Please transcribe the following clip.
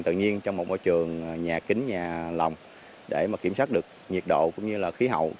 tự nhiên trong một môi trường nhà kính nhà lòng để kiểm soát được nhiệt độ cũng như là khí hậu